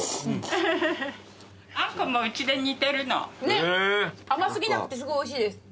ねっ甘過ぎなくてすごいおいしいです。